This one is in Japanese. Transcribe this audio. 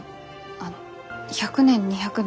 あの１００年２００年